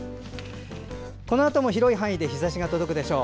このあとも広い範囲で日ざしが届くでしょう。